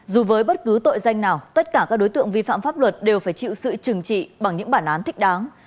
dù với bất cứ tội danh nào tất cả các đối tượng vi phạm pháp luật đều phải chịu sự trừng trị bằng những bản án thích đáng